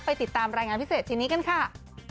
ติดตามรายงานพิเศษทีนี้กันค่ะ